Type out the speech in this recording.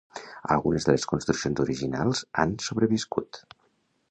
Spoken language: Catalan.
Algunes de les construccions originals han sobreviscut.